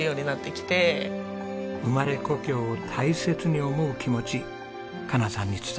生まれ故郷を大切に思う気持ち加奈さんに伝えます。